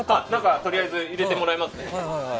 とりあえず入れてもらいますね。